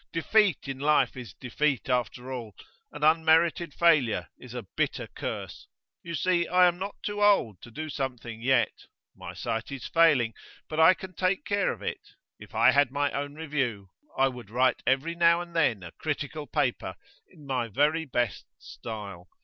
'Defeat in life is defeat, after all; and unmerited failure is a bitter curse. You see, I am not too old to do something yet. My sight is failing, but I can take care of it. If I had my own review, I would write every now and then a critical paper in my very best style.